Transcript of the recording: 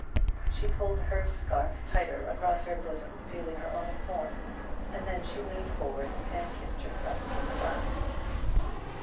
She pulled her scarf tighter across her bosom, feeling her own form, and then she leaned forward and kissed herself in the glass.